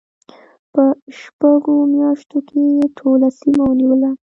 په شپږو میاشتو کې یې ټوله سیمه ونیوله.